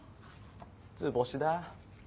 図星だ。